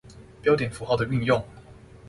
標點符號的運用